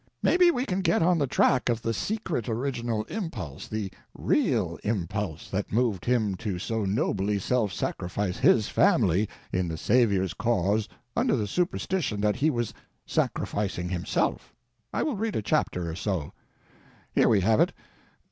Maybe we can get on the track of the secret original impulse, the real impulse, that moved him to so nobly self—sacrifice his family in the Savior's cause under the superstition that he was sacrificing himself. I will read a chapter or so.... Here we have it!